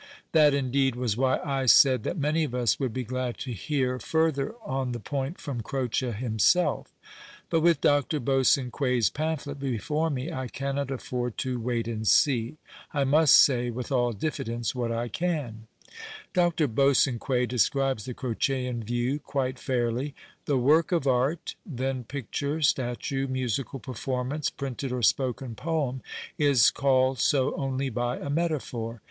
That, indeed, was why I said that many of us would be glad to hear further on 194 A POINT OF CROCE'S the point from Croce himself. But witli Dr. Bosaii quet's pamphlet before me I cannot afford to " wait and see." I must say, with all diffidence, what I can. Dr. Bosanqiict describes the Crocean view quite fairly. " The ' work of art,' then, picture, statue, musical pcrformauee, printed or sjwken poem, is called so only by a metaphor.